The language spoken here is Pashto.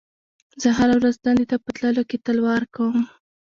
زه هره ورځ دندې ته په تللو کې تلوار کوم.